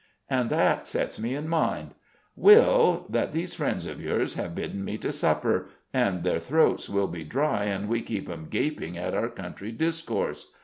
_ And that sets me in mind, Will, that these friends of yours have bidden me to supper: and their throats will be dry an we keep 'em gaping at our country discourse.